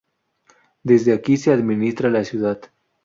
Desde aquí se administra la ciudad.